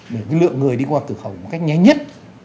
để lượng người đi qua cửa khẩu một cách nhanh nhất